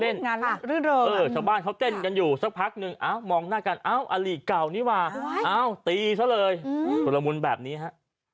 เล่นงานละเรื่อยเออชาวบ้านเขาเต้นกันอยู่สักพักนึงเอ้ามองหน้ากันเอ้าอลีกเก่านี้มาเอ้าตีซะเลยอืมสรมรมุนแบบนี้ฮะ